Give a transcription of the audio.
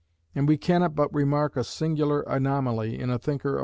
And we cannot but remark a singular anomaly in a thinker of M.